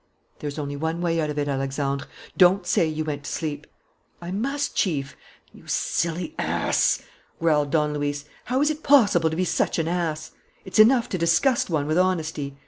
"There's only one way out of it, Alexandre! Don't say you went to sleep." "I must, Chief." "You silly ass!" growled Don Luis. "How is it possible to be such an ass! It's enough to disgust one with honesty.